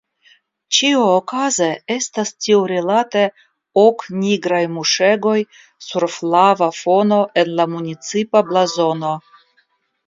Ĉiuokaze estas tiurilate ok nigraj muŝegoj sur flava fono en la municipa blazono.